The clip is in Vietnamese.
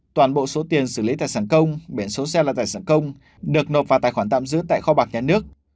toàn bộ số tiền xử lý tài sản công biển số xe là tài sản công được nộp vào tài khoản tạm giữ tại kho bạc nhà nước